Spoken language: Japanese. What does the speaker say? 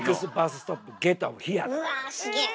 うわすげえ！